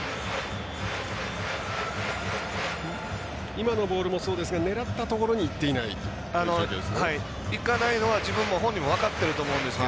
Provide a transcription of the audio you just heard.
今のボールもそうですが狙ったところにいっていない状況ですね。